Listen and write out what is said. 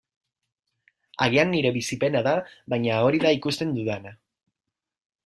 Agian nire bizipena da, baina hori da ikusten dudana.